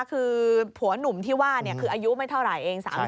คือผัวหนุ่มที่ว่าคืออายุไม่เท่าไหร่เอง